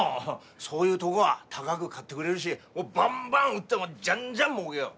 そういうとごは高く買ってくれるしバンバン売ってジャンジャンもうけよう！